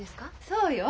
そうよ。